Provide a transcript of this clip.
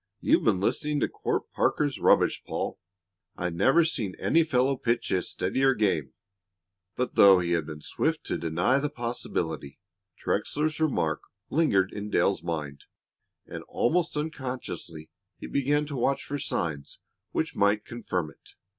You've been listening to Court Parker's rubbish, Paul. I never saw any fellow pitch a steadier game." But though he had been swift to deny the possibility, Trexler's remark lingered in Dale's mind, and almost unconsciously he began to watch for signs which might confirm it.